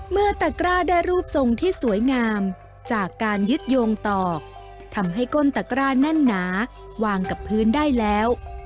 เมื่อตะกร้าได้รูปทรงที่สวยงามจากการยึดโยงตอกทำให้ก้นตะกร้าแน่นหนาวางกับพื้นได้แล้ว